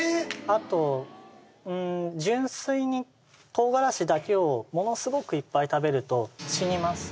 あとうん純粋に唐辛子だけをものすごくいっぱい食べると死にます